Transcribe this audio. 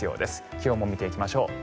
気温も見ていきましょう。